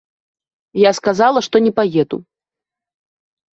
Я сказала, што не паеду.